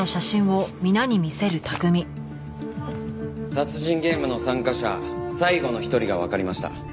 殺人ゲームの参加者最後の一人がわかりました。